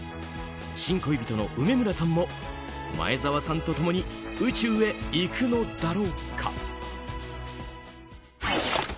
新恋人の梅村さんも前澤さんと共に宇宙へ行くのだろうか。